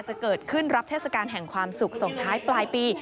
จะเกิดขึ้นรับเทศกาลแห่งความสุขส่งท้ายปลายปี